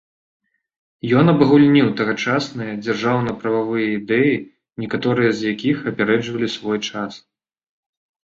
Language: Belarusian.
Ён абагульніў тагачасныя дзяржаўна-прававыя ідэі, некаторыя з якіх апярэджвалі свой час.